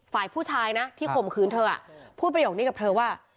ฝ่ายผู้ชายนะที่ข่มขืนเธอพูดประโยคนี้กับเธอว่า